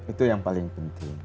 itu yang paling penting